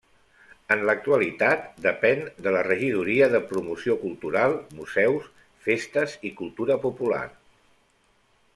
En l'actualitat depèn de la Regidoria de Promoció Cultural, Museus, Festes i Cultura Popular.